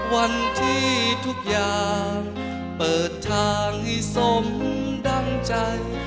วันที่ทุกอย่างเปิดทางให้สมดังใจ